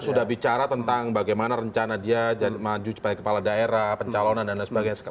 sudah bicara tentang bagaimana rencana dia maju sebagai kepala daerah pencalonan dan lain sebagainya